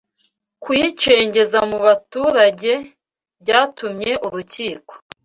kuyicengeza mu baturage, byatumye Urukiko